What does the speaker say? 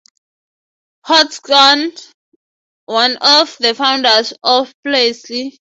Hodgson, one of the founders of Plessey.